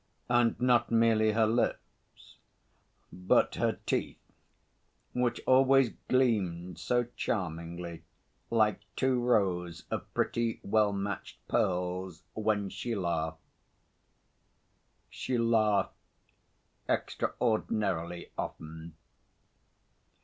And not merely her lips, but her teeth, which always gleamed so charmingly like two rows of pretty, well matched pearls when she laughed. She laughed extraordinarily often.